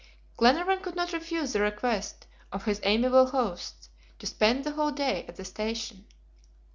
Glenarvan could not refuse the request of his amiable hosts, to spend the whole day at the station.